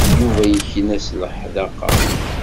Yuba yekna s leḥdaqa.